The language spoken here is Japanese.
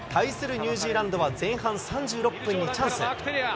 ニュージーランドは、前半３６分にチャンス。